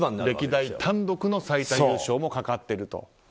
歴代単独の最多優勝もかかっていると。